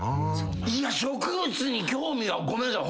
いや植物に興味はごめんなさい